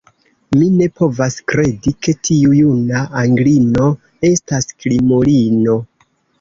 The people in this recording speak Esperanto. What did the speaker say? Mi ne povas kredi, ke tiu juna anglino estas krimulino.